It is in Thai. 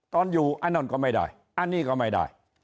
ตอนอยู่อันนั้นก็ไม่ได้อันนี้ก็ไม่ได้